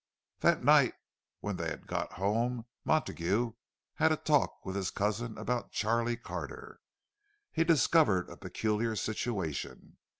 That night, when they had got home, Montague had a talk with his cousin about Charlie Carter. He discovered a peculiar situation.